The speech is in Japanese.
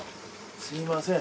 すみません